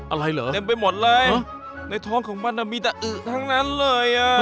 อะไรเหรอเต็มไปหมดเลยในท้องของมันมีแต่อึทั้งนั้นเลยอ่ะ